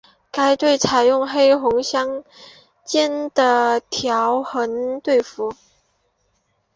该队采用红黑相间横条队服。